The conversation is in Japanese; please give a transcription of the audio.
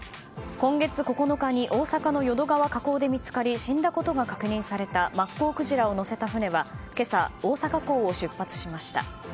今月９日に大阪の淀川河口で見つかり死んだことが確認されたマッコウクジラを載せた船は今朝、大阪港を出発しました。